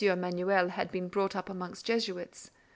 Emanuel had been brought up amongst Jesuits.